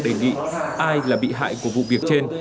đề nghị ai là bị hại của vụ việc trên